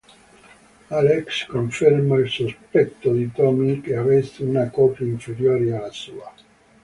Alex conferma il sospetto di Tommy che avesse una coppia inferiore alla sua.